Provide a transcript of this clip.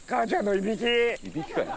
いびきかよ。